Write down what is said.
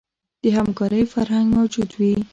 د همکارۍ فرهنګ موجود وي.